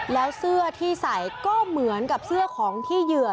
แล้วเสื้อที่ใส่ก็เหมือนกับเสื้อของที่เหยื่อ